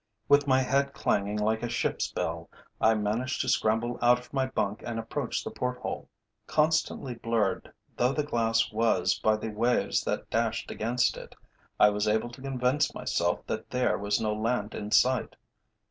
With my head clanging like a ship's bell, I managed to scramble out of my bunk and approach the port hole. Constantly blurred though the glass was by the waves that dashed against it, I was able to convince myself that there was no land in sight.